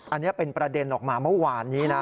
อันนี้เป็นประเด็นออกมาเมื่อวานนี้นะ